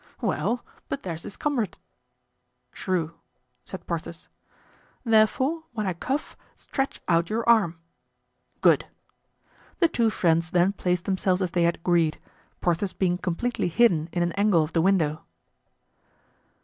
"Well; but there's his comrade." "True," said Porthos. "Therefore, when I cough, stretch out your arm." "Good!" The two friends then placed themselves as they had agreed, Porthos being completely hidden in an angle of the window.